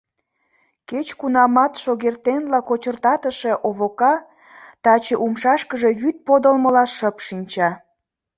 Кеч-кунамат шогертенла кочыртатыше Овока таче умшашкыже вӱд подылмыла шып шинча.